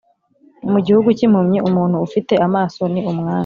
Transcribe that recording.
mu gihugu cyimpumyi umuntu ufite amaso ni umwami